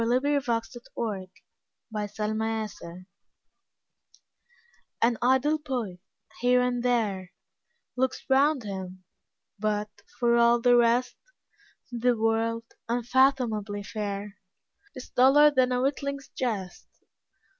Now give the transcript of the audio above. Coventry Patmore The Revelation AN idle poet, here and there, Looks round him, but, for all the rest, The world, unfathomably fair, Is duller than a witling's jest.